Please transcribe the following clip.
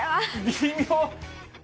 微妙。